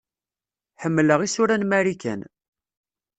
Ḥemmleɣ isura n Marikan.